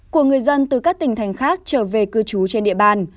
của người dân từ các tỉnh thành khác trở về cư trú trên địa bàn